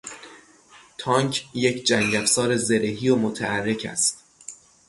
تانک یک جنگافزار زرهی و متحرک است.